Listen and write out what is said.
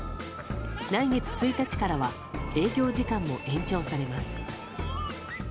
来月１日からは営業時間も延長されます。